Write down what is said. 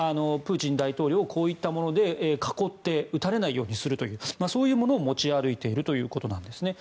プーチン大統領をこういったもので囲って撃たれないようにするというそういうものを持ち歩いているということです。